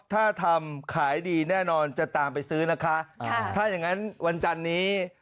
ถ้าทำขายดีแน่นอนจะตามไปซื้อนะคะถ้าอย่างงั้นวันจันนี้